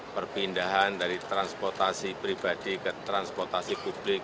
perpindahan dari transportasi pribadi ke transportasi publik